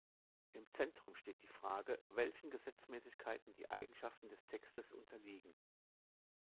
Im Zentrum steht die Frage, welchen Gesetzmäßigkeiten die Eigenschaften des Textes unterliegen.